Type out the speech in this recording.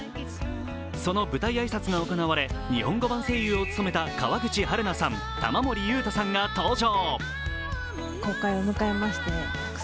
その舞台挨拶が行われ日本語版声優を務めた川口春奈さん、玉森裕太さんが登場。